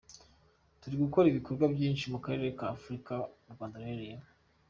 Turi gukora ibikorwa byinshi mu karere ka Afurika u Rwanda ruherereyemo.